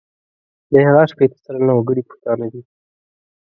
د هرات شپېته سلنه وګړي پښتانه دي.